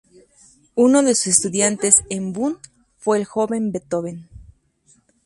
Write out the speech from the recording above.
Uno de sus estudiantes en Bonn fue el joven Beethoven.